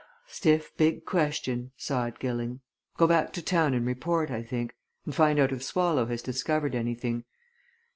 "Stiff, big question," sighed Gilling. "Go back to town and report, I think and find out if Swallow has discovered anything.